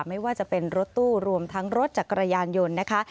ไม่ว่าจะเป็นรถตู้รวมทั้งรถจักรยานยนต์นะคะ